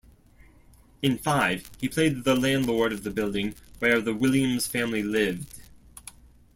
In five, he played the landlord of the building where the Williams family lived.